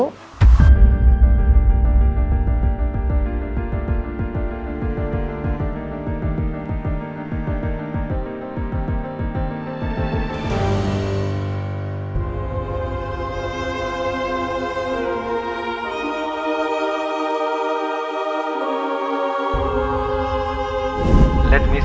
kenapa saya makasih zaten soalnya